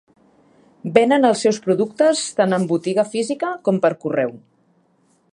Venen els seus productes tant en botiga física com per correu.